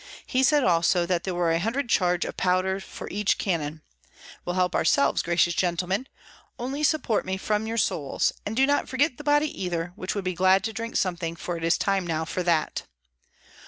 He said also that there were a hundred charges of powder for each cannon. We'll help ourselves, gracious gentlemen; only support me from your souls, and do not forget the body either, which would be glad to drink something, for it is time now for that."